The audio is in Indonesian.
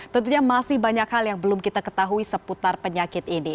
tentunya masih banyak hal yang belum kita ketahui seputar penyakit ini